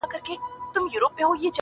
ځم د روح په هر رگ کي خندا کومه.